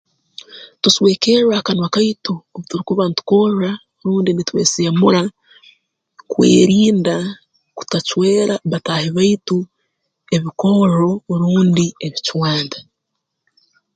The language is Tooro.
Kwekebeza buli kasumi nkuyamba kwikara nooyerinda obu okuba omanyire eki orwaire kandi omanyire ekikukireetereza ekyo nookyerinda nukwo otongera kuba kubi kandi obu okuba otaine burwaire nooyerindira kimu butakukwata